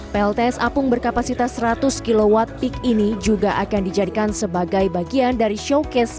plts apung berkapasitas seratus kw peak ini juga akan dijadikan sebagai bagian dari showcase